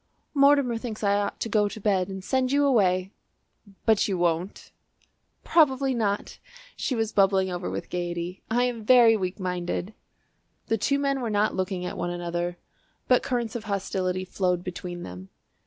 "Mortimer thinks I ought to go to bed and send you away." "But you won't?" "Probably not." She was bubbling over with gaiety. "I am very weak minded." The two men were not looking at one another, but currents of hostility flowed between them.